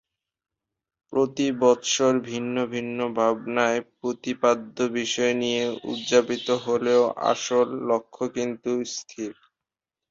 প্রতি বৎসর ভিন্ন ভিন্ন ভাবনায় প্রতিপাদ্য বিষয় নিয়ে উদযাপিত হলেও আসল লক্ষ্য কিন্তু স্থির।